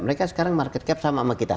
mereka sekarang market cap sama sama kita